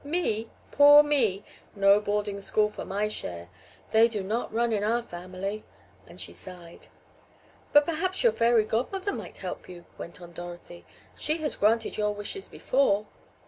"Me? Poor me! No boarding school for my share. They do not run in our family," and she sighed. "But perhaps your fairy godmother might help you," went on Dorothy. "She has granted your wishes before."